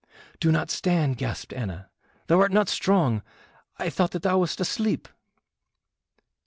"Do not stand," gasped Anna. "Thou art not strong. I thought that thou wast asleep."